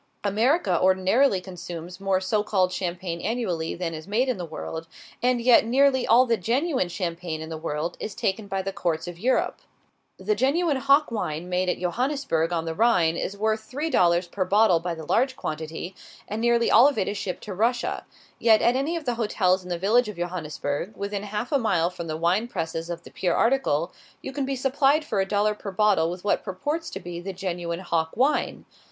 America ordinarily consumes more so called champagne annually than is made in the world, and yet nearly all the genuine champagne in the world is taken by the courts of Europe. The genuine Hock wine made at Johannisberg on the Rhine is worth three dollars per bottle by the large quantity, and nearly all of it is shipped to Russia; yet, at any of the hotels in the village of Johannisberg, within half a mile from the wine presses of the pure article, you can be supplied for a dollar per bottle with what purports to be the genuine Hock wine.